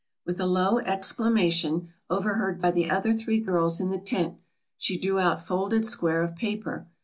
With a low exclamation, overheard by the other three girls in the tent, she drew out folded square of paper.